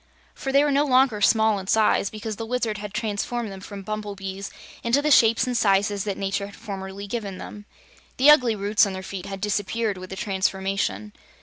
For they were no longer small in size, because the Wizard had transformed them from bumblebees into the shapes and sizes that nature had formerly given them. The ugly roots on their feet had disappeared with the transformation.